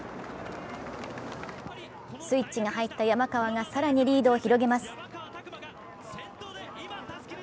スイッチが入った山川が更にリードを広げます。